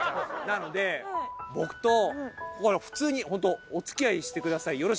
なので僕と普通にホントお付き合いしてください。